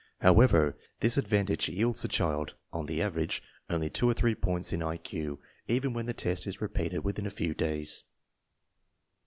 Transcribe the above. However, this advantage yields the child (on the average) only two or three points in I Q even when the test is repeated within a few days.